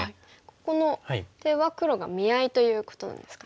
ここの手は黒が見合いということなんですかね。